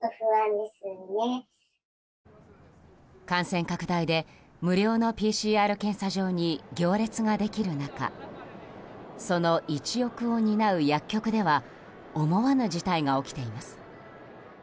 感染拡大で無料のＰＣＲ検査場に行列ができる中その一翼を担う薬局では思わぬ事態が起きています。